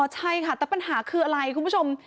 ใช่ค่ะแต่ปัญหาคืออะไรคุณผู้ชม